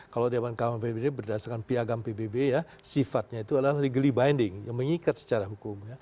kalau dewan keamanan pbb berdasarkan piagam pbb ya sifatnya itu adalah legaly binding yang mengikat secara hukum